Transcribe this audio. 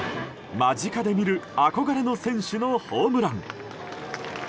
間近で見る憧れの選手のホームラン。